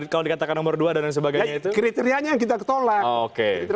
kriteriannya yang kita ketolak